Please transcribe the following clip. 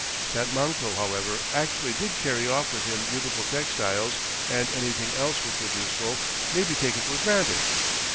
That Manco, however, actually did carry off with him beautiful textiles, and anything else which was useful, may be taken for granted.